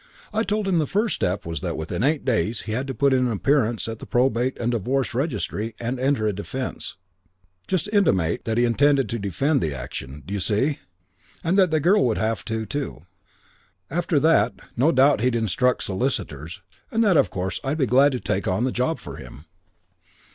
I told him the first step was that within eight days he had to put in an appearance at the Probate and Divorce Registry and enter a defence just intimate that he intended to defend the action, d'you see? And that the girl would have to too. After that no doubt he'd instruct solicitors, and that of course I'd be glad to take on the job for him.